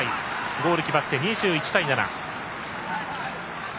ゴール決まって１対２７。